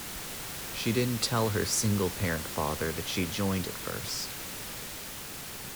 She didn't tell her "single parent father" that she joined at first.